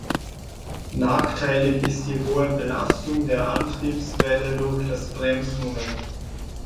Nachteilig ist die hohe Belastung der Antriebswelle durch das Bremsmoment.